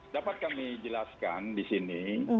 dapat kami jelaskan di sini